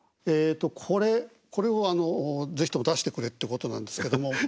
えっとこれこれを是非とも出してくれってことなんですけども。